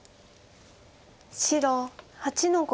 白８の五。